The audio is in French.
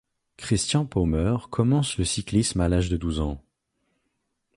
Christian Pömer commence le cyclisme à l'âge de douze ans.